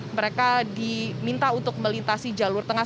mereka diminta untuk melintasi jalur tengah